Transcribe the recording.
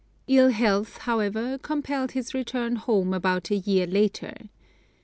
Ill health, however, compelled his return home about a year later.